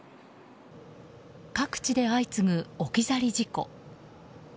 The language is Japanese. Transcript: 各地で相次ぐ、置き去り事故。